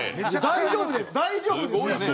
大丈夫ですかね？